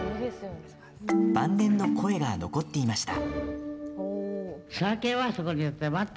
晩年の声が残っていました。